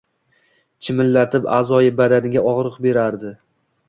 Chimillatib a’zoyi badaniga og‘riq berardi.